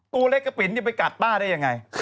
ตัวเล็กกระปินจะไปกัดป้าได้ยังไง